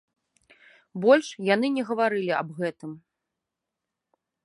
Больш яны не гаварылі аб гэтым.